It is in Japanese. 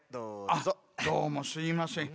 あっどうもすいません。